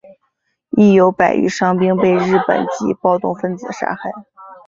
亦有百余伤兵被日本籍暴动分子杀害。